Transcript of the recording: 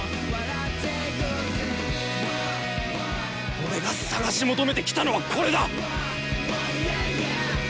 俺が探し求めてきたのはこれだ！